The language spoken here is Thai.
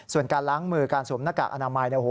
ส่วนการล้างมือการสวมหน้ากากอนามัย